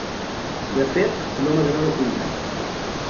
De fet, no m'agrada cuinar.